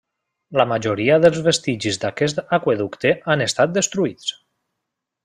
La majoria dels vestigis d'aquest aqüeducte han estat destruïts.